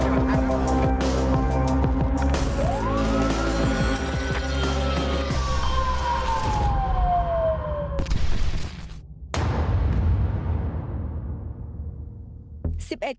มภาคอ๑๓๕ที่ที่ช่วย